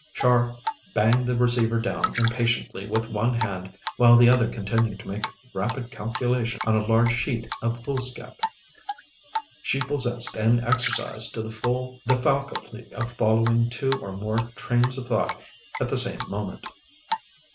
Char banged the receiver down impatiently with one hand, while the other continued to make rapid calculations on a large sheet of foolscap. She possessed and exercised to the full the faculty of following two or more trains of thought at the same moment.